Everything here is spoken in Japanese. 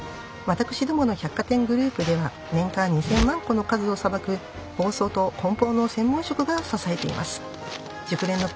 私どもの百貨店グループでは年間２０００万個の数をさばく包装と梱包の専門職が支えています。